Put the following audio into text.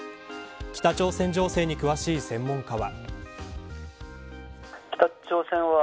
北朝鮮情勢に詳しい専門家は。